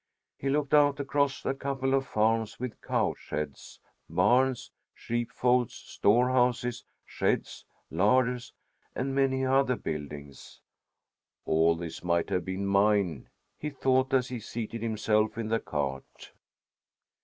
He looked out across a couple of farms with cow sheds, barns, sheep folds, storehouses, sheds, larders, and many other buildings. "All this might have been mine," he thought, as he seated himself in the cart.